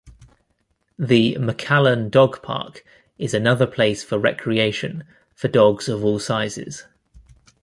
The McAllen Dog Park is another place for recreation for dogs of all sizes.